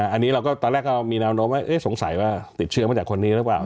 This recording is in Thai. อันนี้เราก็ตอนแรกก็มีแนวโน้มว่าสงสัยว่าติดเชื้อมาจากคนนี้หรือเปล่า